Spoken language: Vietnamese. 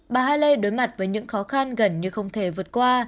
bà haley đối mặt với những khó khăn gần như không thể vượt qua